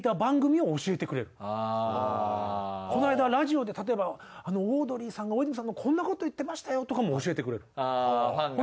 この間ラジオで例えばオードリーさんが大泉さんのこんなこと言ってましたよとかも教えてくれる。